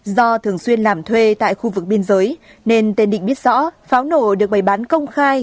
do thường xuyên làm thuê tại khu vực biên giới nên tên định biết rõ pháo nổ được bày bán công khai